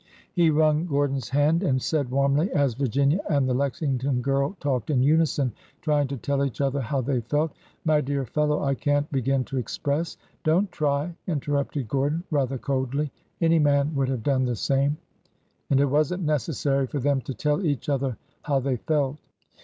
He wrung Gordon's hand and said warmly, as Vir ginia and the Lexington girl talked in unison, trying to tell each other how they felt :'' My dear fellow, I can't begin to express—" Don't try," interrupted Gordon, rather coldly. Any man would have done the same." And it was n't necessary for them to tell each other how they felt.